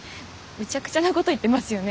むちゃくちゃなこと言ってますよね